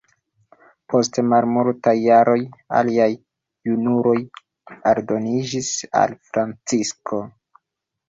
Post malmultaj jaroj, aliaj junuloj aldoniĝis al Francisko.